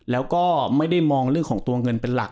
แล้วก็ไม่ได้มองเรื่องของตัวเงินเป็นหลัก